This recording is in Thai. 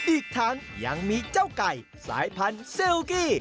อีกทั้งยังมีเจ้าไก่สายพันธุ์เซลกี้